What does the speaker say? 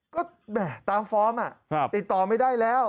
ก็ตามฟอร์มติดต่อไม่ได้แล้ว